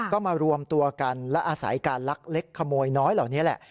ก็มารวมตัวกันและอาศัยการลักเล็กขโมยน้อยเหล่านี้แหละ